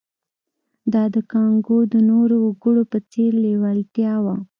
دا د کانګو د نورو وګړو په څېر لېوالتیا وه